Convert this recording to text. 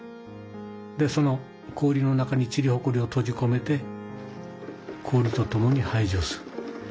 でその氷の中にちりやほこりをとじこめて氷とともにはいじょする。